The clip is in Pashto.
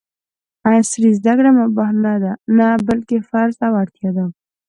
عصري زده کړې مباح نه ، بلکې فرض او اړتیا ده!